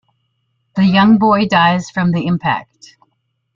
The young boy dies from the impact.